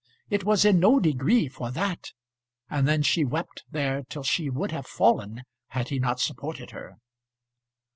It was in no degree for that " And then she wept there till she would have fallen had he not supported her.